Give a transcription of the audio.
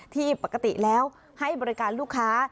ที่ปกติแล้วให้บริการลูกค้า